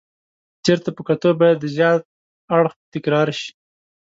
تېر ته په کتو باید د زیان اړخ یې تکرار شي.